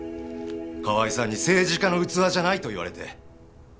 河合さんに「政治家の器じゃない」と言われて。